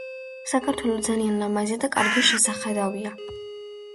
საქართველო ძალიან ლამაზია და კარგი შესახედავია